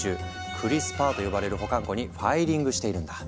「クリスパー」と呼ばれる保管庫にファイリングしているんだ。